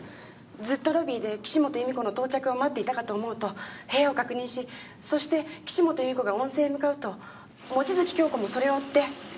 ずっとロビーで岸本由美子の到着を待っていたかと思うと部屋を確認しそして岸本由美子が温泉へ向かうと望月京子もそれを追って。